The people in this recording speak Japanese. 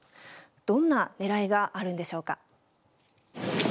どんなねらいがあるんでしょうか。